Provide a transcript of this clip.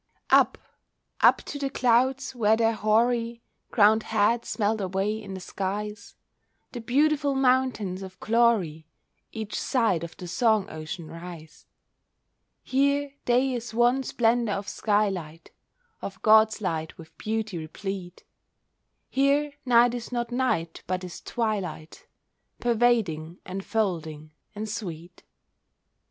Up, up to the clouds where their hoary Crowned heads melt away in the skies, The beautiful mountains of glory Each side of the song ocean rise. Here day is one splendour of sky light— Of God's light with beauty replete. Here night is not night, but is twilight, Pervading, enfolding, and sweet.